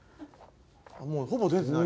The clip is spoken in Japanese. もうほぼ出てない。